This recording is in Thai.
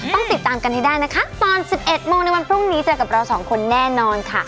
ต้องติดตามกันให้ได้นะคะตอน๑๑โมงในวันพรุ่งนี้เจอกับเราสองคนแน่นอนค่ะ